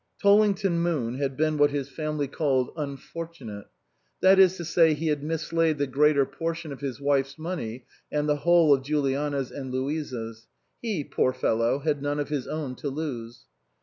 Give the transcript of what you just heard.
Tollington Moon had been what his family 211 SUPERSEDED called unfortunate ; that is to say he had mis laid the greater portion of his wife's money and the whole of Juliana's and Louisa's ; he, poor fellow, had none of his own to lose.